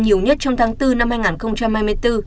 nhiều nhất trong tháng bốn năm hai nghìn hai mươi bốn